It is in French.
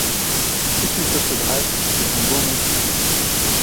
Ce qu’il te faudrait, c’est un bon incipit.